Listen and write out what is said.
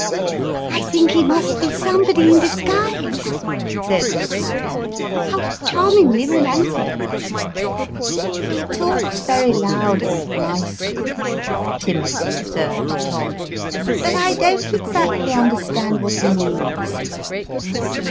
"" I think he must be somebody in disguise," said Miss Marianne. " How charmingly romantic !"" He talks very loud and nicely," timidly observed Tom, " but I don't exactly understand what he means."